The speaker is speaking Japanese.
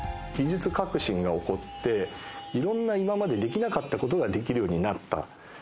技術革新が起こっていろんな今までできなかったことができるようになった。